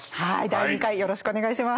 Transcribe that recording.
第２回よろしくお願いします。